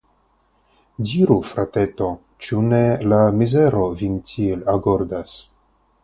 Diru, frateto, ĉu ne la mizero vin tiel agordas?